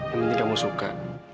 yang penting kamu suka